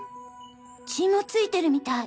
血も付いてるみたい。